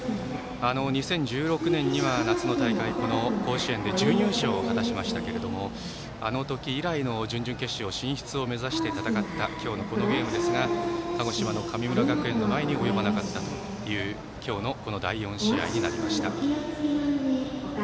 ２０１６年には、夏の大会甲子園で準優勝を果たしましたけれどあの時以来の準々決勝進出を目指して戦った今日のゲームですが鹿児島の神村学園の前に及ばなかったという今日のこの第４試合になりました。